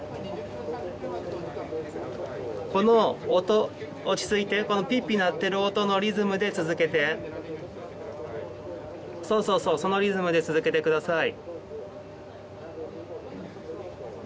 この音落ち着いてこのピッピッ鳴ってる音のリズムで続けてそうそうそうそのリズムで続けてください